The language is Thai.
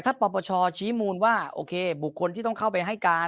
ถ้าปปชชี้มูลว่าโอเคบุคคลที่ต้องเข้าไปให้การ